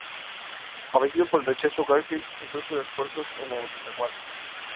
Abatido por el rechazo, Garfield centró sus esfuerzos en la retaguardia.